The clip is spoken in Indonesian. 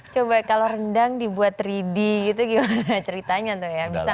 coba kalau rendang dibuat tiga d gitu gimana ceritanya tuh ya bisa gak tuh